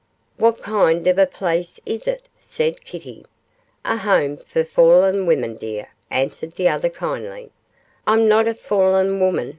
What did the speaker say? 'What kind of a place is it?' said Kitty. 'A home for fallen women, dear,' answered the other, kindly. 'I'm not a fallen woman!